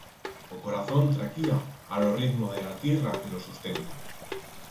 O corazón traquía a ro ritmo de ra tierra que lo sustenta.